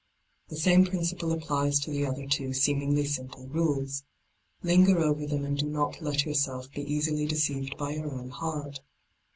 The same principle applies to the other two seemingly simple rules. Linger over them and do not let yourself be easily deceived by your own heart.